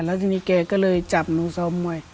แล้วทีนี้แกก็เลยจับหนูซ้อมมวย